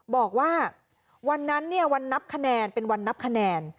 บอกว่าวันนั้นเนี่ยวันนับคะแนนเป็นวันนับคะแนน